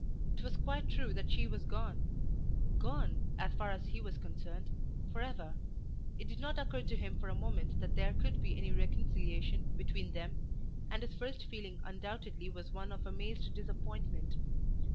It was quite true that she was gone gone, as far as he was concerned, for ever. It did not occur to him for a moment that there could be any reconciliation between them, and his first feeling undoubtedly was one of amazed disappointment.